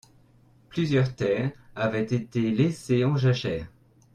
Plusieurs terres avaient été laisser en jachère.